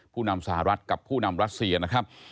ผู้นำสหรัฐกับผู้นำรัสเซียนะครับ